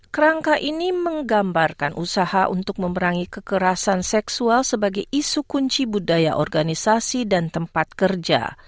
kerangka ini menggambarkan usaha untuk memerangi kekerasan seksual sebagai isu kunci budaya organisasi dan tempat kerja